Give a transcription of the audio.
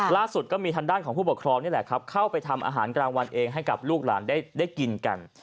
ล่าสุดก็มีทางด้านของผู้ปกครองนี่แหละครับเข้าไปทำอาหารกลางวันเองให้กับลูกหลานได้กินกัน